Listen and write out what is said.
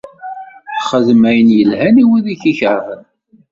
Xdem ayen ilhan i wid i k-ikeṛhen.